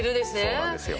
そうなんですよ。